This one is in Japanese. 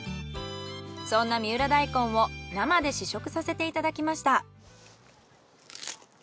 そんな三浦大根を生で試食させていただきました。